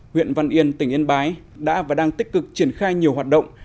huyện văn yên tỉnh yên bái đã và đang tích cực triển khai nhiều hoạt động